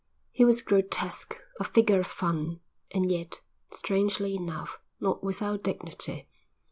He was grotesque, a figure of fun, and yet, strangely enough, not without dignity.